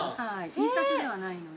印刷ではないので。